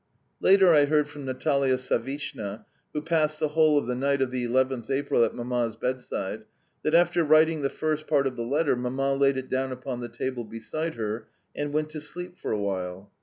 Later I heard from Natalia Savishna (who passed the whole of the night of the 11th April at Mamma's bedside) that, after writing the first part of the letter, Mamma laid it down upon the table beside her and went to sleep for a while.